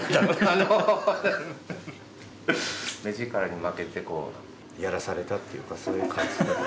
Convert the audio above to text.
あの目力に負けてこうやらされたっていうかそういう感じです。